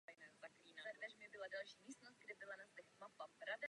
Na výpravě museli překonat mnohá nebezpečí a často jim šlo o život.